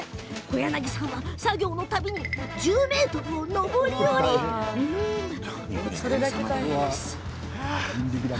小柳さんは、作業のたびに１０ｍを上り下り大丈夫ですか？